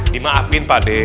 dimaafin pak d